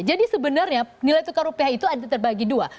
jadi sebenarnya nilai tukar rupiah itu ada terbagi dua